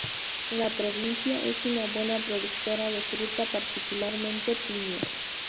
La provincia es una buena productora de fruta, particularmente piña.